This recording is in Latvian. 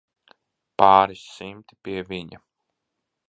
Pāris simti, pie viņa.